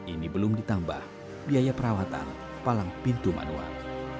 ini belum ditambah biaya perawatan palang pintu manual